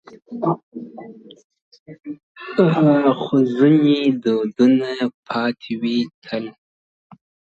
خو ځينې دودونه پاتې وي تل